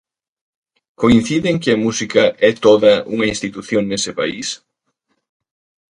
Coincide en que a música é toda unha institución nese país?